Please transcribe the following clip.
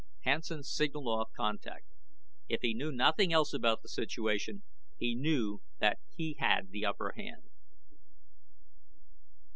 Hansen signaled off contact. If he knew nothing else about the situation, he knew that he had the upper hand.